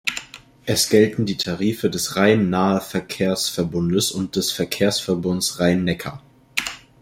Es gelten die Tarife des Rhein-Nahe-Verkehrsverbundes und des Verkehrsverbunds Rhein-Neckar.